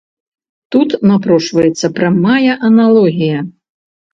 Тут напрошваецца прамая аналогія.